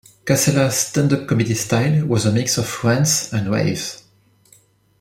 Cassella's stand-up comedy style was a mix of rants and raves.